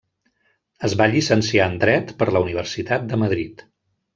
Es va llicenciar en Dret per la Universitat de Madrid.